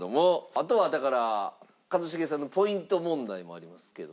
あとはだから一茂さんのポイント問題もありますけど。